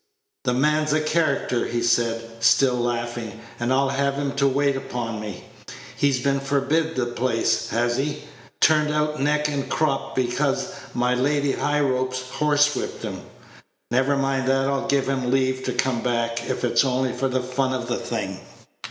"The man's a character," he said, still laughing, "and I'll have him to wait upon me. He's been forbid the place, has he? turned out neck and crop because my Lady Highropes horsewhipped him. Never mind that; I'll give him leave to come back, if it's only for the fun of the thing."